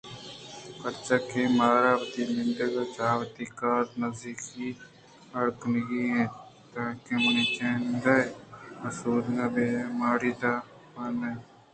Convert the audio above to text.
پرچا کہ مارا وتی نندگ ءِ جاہ وتی کار ءِنزّیک ءَ اڈ کنگی اِنت تاں کہ مئے جند آسودگ بہ باں ماڑی ءِ تہہ ئے مازانت نہ کناں چونیں جاگہے